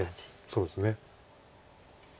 そうですね。